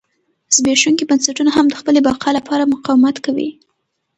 زبېښونکي بنسټونه هم د خپلې بقا لپاره مقاومت کوي.